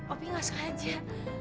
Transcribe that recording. opi nggak suka aja